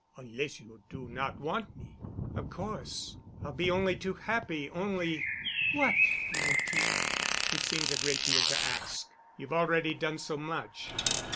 Onless you do not want me——?" "Of course I'll be only too happy, only——" "What, mon petit?" "It seems a great deal to ask. You've already done so much."